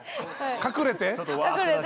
隠れて。